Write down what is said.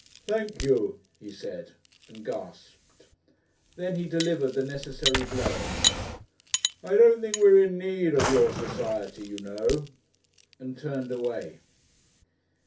"Thank you," he said, and gasped. Then he delivered the necessary blow; "I don't think we're in need of your society, you know," and turned away.